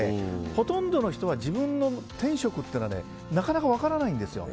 ほとんどの人は自分の天職はなかなか分からないんですよ。